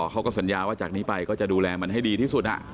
เขาก็สัญญาว่าจากนี้ไปก็จะดูแลมันให้ดีที่สุด